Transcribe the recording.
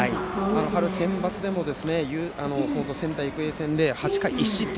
春センバツでも仙台育英戦で８回１失点